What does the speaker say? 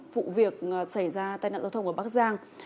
vụ việc xảy ra tai nạn giao thông của bác giang